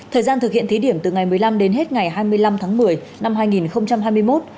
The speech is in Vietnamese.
thời gian thực hiện thí điểm từ ngày một mươi năm đến hết ngày hai mươi năm tháng một mươi năm hai nghìn hai mươi một